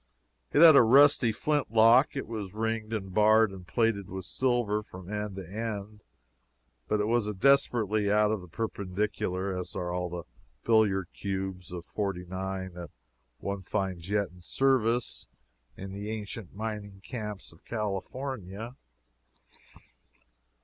It had a rusty flint lock; it was ringed and barred and plated with silver from end to end, but it was as desperately out of the perpendicular as are the billiard cues of '49 that one finds yet in service in the ancient mining camps of California.